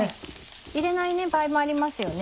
入れない場合もありますよね。